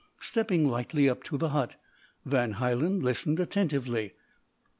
Stepping lightly up to the hut, Van Hielen listened attentively.